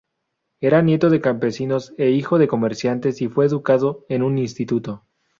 Era nieto de campesinos e hijo de comerciantes, y fue educado en un instituto.